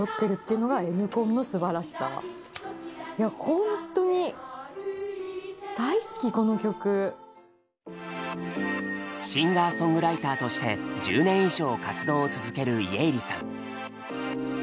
ほんとにシンガーソングライターとして１０年以上活動を続ける家入さん。